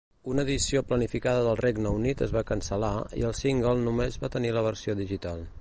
Una edició planificada del Regne Unit es va cancel·lar i el single només va tenir la versió digital.